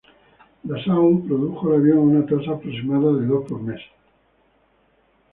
Dassault produjo el avión a una tasa aproximada de dos por mes.